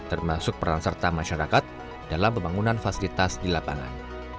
termasuk peran serta masyarakat dalam pembangunan fasilitas di lapangan